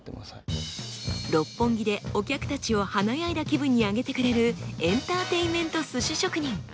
六本木でお客たちを華やいだ気分に上げてくれるエンターテインメント鮨職人。